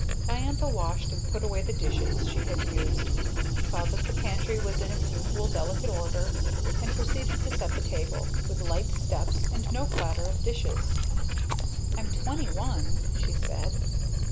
Diantha washed and put away the dishes she had used, saw that the pantry was in its usual delicate order, and proceeded to set the table, with light steps and no clatter of dishes. "I'm twenty one," she said.